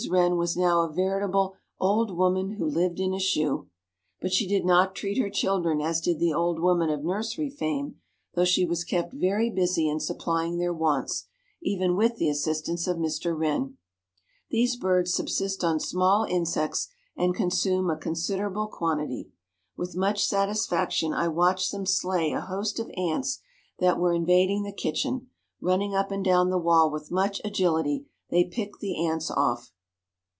Wren was now a veritable "old woman who lived in a shoe." But she did not treat her children as did the old woman of nursery fame, though she was kept very busy in supplying their wants, even with the assistance of Mr. Wren. These birds subsist on small insects and consume a considerable quantity. With much satisfaction I watched them slay a host of ants that were invading the kitchen; running up and down the wall with much agility, they picked the ants off.